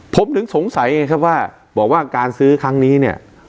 ผมถึงสงสัยไงครับว่าบอกว่าการซื้อครั้งนี้เนี่ย